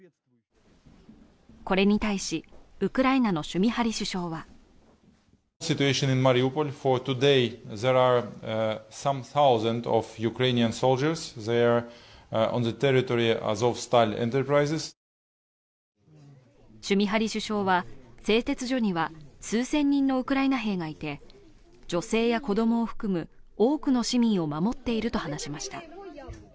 これに対しウクライナのシュミハリ首相はシュミハリ首相は製鉄所には数千人のウクライナ兵がいて女性や子供を含む多くの市民を守っていると話しました。